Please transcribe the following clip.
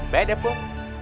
baik deh pul